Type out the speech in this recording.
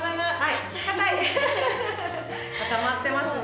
固まってますね。